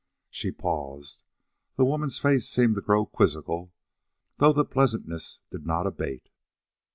She paused. The woman's face seemed to grow quizzical, though the pleasantness did not abate.